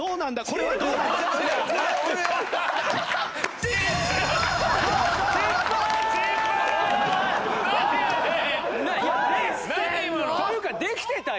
今の。というかできてた？